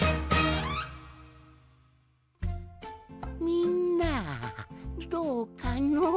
みんなどうかの？